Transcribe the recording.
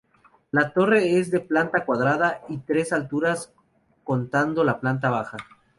La torre es de planta cuadrada y tres alturas contando la planta baja.